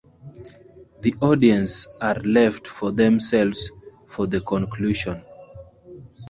The audience are left for themselves for the conclusion.